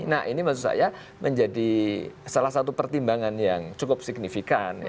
nah ini maksud saya menjadi salah satu pertimbangan yang cukup signifikan